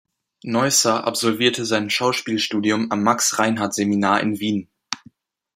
Neusser absolvierte sein Schauspielstudium am Max-Reinhardt-Seminar in Wien.